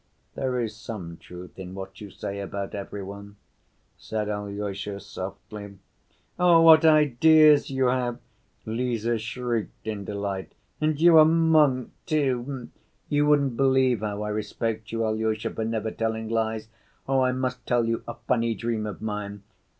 "There is some truth in what you say about every one," said Alyosha softly. "Oh, what ideas you have!" Lise shrieked in delight. "And you a monk, too! You wouldn't believe how I respect you, Alyosha, for never telling lies. Oh, I must tell you a funny dream of mine.